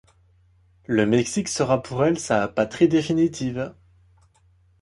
Le Mexique sera pour elle sa patrie définitive.